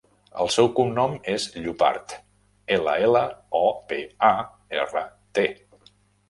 El seu cognom és Llopart: ela, ela, o, pe, a, erra, te.